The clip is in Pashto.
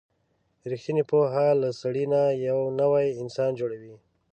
رښتینې پوهه له سړي نه یو نوی انسان جوړوي.